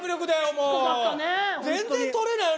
全然取れないよ。